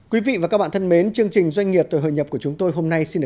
quý vị và các bạn thân mến chương trình doanh nghiệp và hội nhập của chúng tôi hôm nay xin được